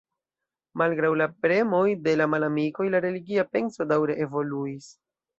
Malgraŭ la premoj de la malamikoj, la religia penso daŭre evoluis.